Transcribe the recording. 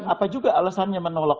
apa juga alasannya menolak